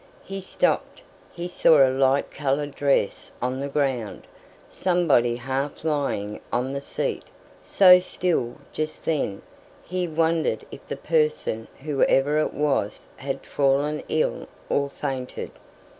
He stopped; he saw a light coloured dress on the ground somebody half lying on the seat, so still just then, he wondered if the person, whoever it was, had fallen ill or fainted.